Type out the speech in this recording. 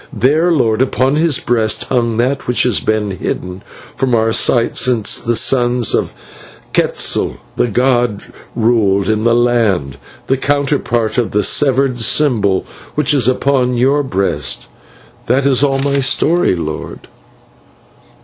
"There, lord, upon his breast hung that which has been hidden from our sight since the sons of Quetzal, the god, ruled in the land, the counterpart of the severed symbol which is upon your breast. That is all my story, lord."